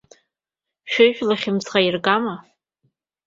Шәыжәла хьымӡӷ аиргама?